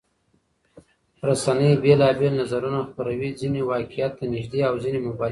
رسنۍ بېلابېل نظرونه خپروي، ځینې واقعيت ته نږدې او ځینې مبالغه وي.